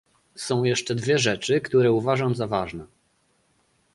Są jeszcze dwie rzeczy, które uważam za ważne